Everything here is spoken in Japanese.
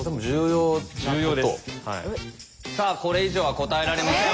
さあこれ以上は答えられません。